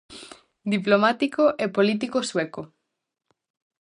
Diplomático e político sueco.